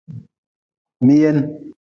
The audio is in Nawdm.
Miyen.